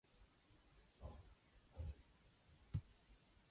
They carried out salt manufacture.